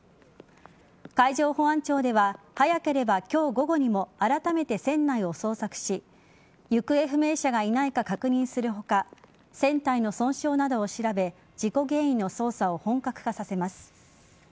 海上保安庁では早ければ今日午後にもあらためて船内を捜索し行方不明者がいないか確認する他船体の損傷などを調べ事故原因の捜査を本格化させます。